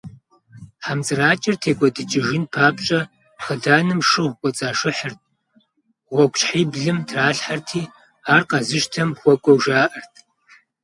Хьэмцӏыракӏэр текӏуэдыкӏыжын папщӏэ, хъыданым шыгъу кӏуэцӏашыхьырт, гъуэгущхьиблым тралъхьэрти, ар къэзыщтэм хуэкӏуэу жаӏэрт.